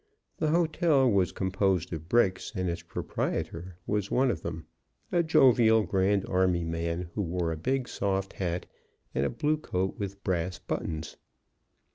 The hotel was composed of bricks, and its proprietor was one of them: a jovial Grand Army man who wore a big soft hat, and a blue coat with brass buttons.